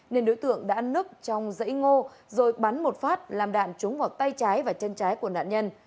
nên đối tượng đã nức trong dãy ngô rồi bắn một phát làm đạn trúng vào tay trái và chân trái của nạn nhân